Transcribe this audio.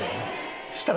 そしたら。